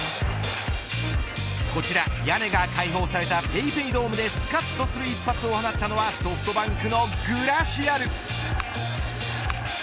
こちら屋根が解放されたＰａｙＰａｙドームでスカッとする一発を放ったのはソフトバンクのグラシアル。